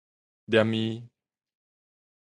連鞭